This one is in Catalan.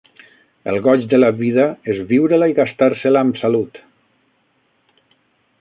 El goig de la vida és viure-la i gastar-se-la am salut